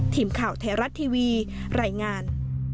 ทีมข่าวแทรรัสทีวีไหล่งาน